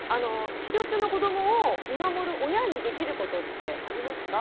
治療中のこどもを見守る親にできることってありますか？